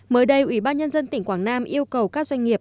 mới đây ủy ban nhân dân tỉnh quảng nam yêu cầu các doanh nghiệp